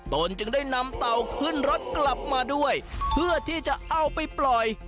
ตนจึงได้นำเต่าขึ้นรถกลับมาด้วยเพื่อที่จะเอาไปปล่อย